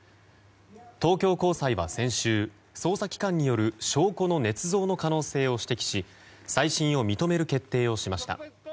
東京高裁は、先週捜査機関による証拠のねつ造の可能性を指摘し再審を認める決定をしました。